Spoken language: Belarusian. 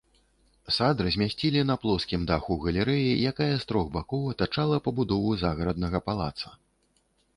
Сад размясцілі на плоскім даху галерэі, якая з трох бакоў атачала пабудову загараднага палаца.